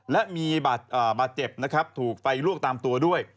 และมีบาดเจ็บถูกไฟรวกตามตัวด้วย